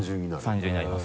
３重になります。